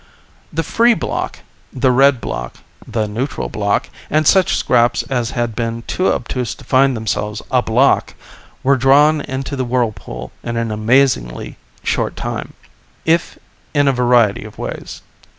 The Free Bloc, the Red Bloc, the Neutral Bloc and such scraps as had been too obtuse to find themselves a Bloc were drawn into the whirlpool in an amazingly short time, if in a variety of ways.